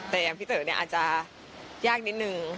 แต่พี่เต๋อเนี่ยอาจจะยากนิดนึงค่ะ